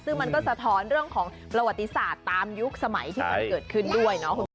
ซึ่งมันก็สะท้อนเรื่องของประวัติศาสตร์ตามยุคสมัยที่มันเกิดขึ้นด้วยเนาะ